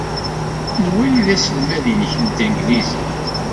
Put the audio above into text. Anwa ay d aselmad-nnek n tanglizit?